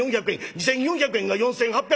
２，４００円が４，８００円。